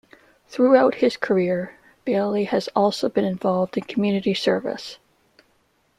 Throughout his career Bailey has also been involved in community service.